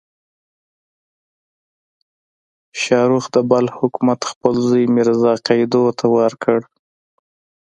شاهرخ د بلخ حکومت خپل زوی میرزا قیدو ته ورکړ.